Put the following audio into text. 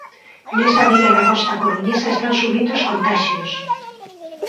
Nesa vila da costa coruñesa están subindo os contaxios.